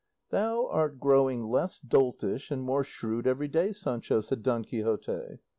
"Thou art growing less doltish and more shrewd every day, Sancho," said Don Quixote.